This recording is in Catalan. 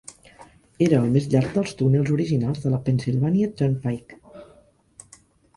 Era el més llarg dels túnels originals de la Pennsylvania Turnpike.